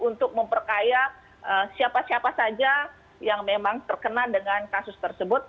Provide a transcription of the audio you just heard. untuk memperkaya siapa siapa saja yang memang terkena dengan kasus tersebut